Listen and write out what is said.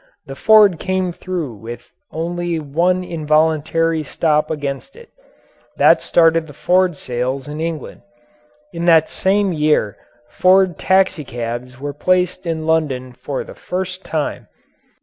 The Ford came through with only one involuntary stop against it. That started the Ford sales in England. In that same year Ford taxicabs were placed in London for the first time.